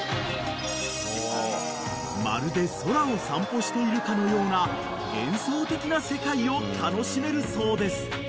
［まるで空を散歩しているかのような幻想的な世界を楽しめるそうです］